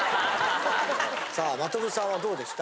さあ真飛さんはどうでした？